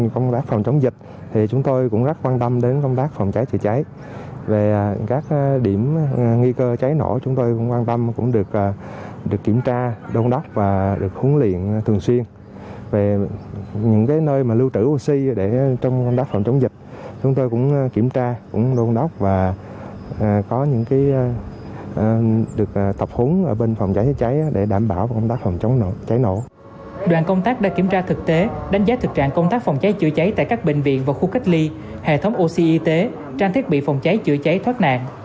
công đoàn công tác đã kiểm tra thực tế đánh giá thực trạng công tác phòng cháy chữa cháy tại các bệnh viện và khu cách ly hệ thống oxy y tế trang thiết bị phòng cháy chữa cháy thoát nạn